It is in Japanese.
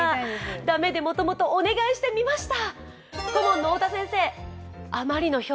駄目でもともと、お願いしてみました。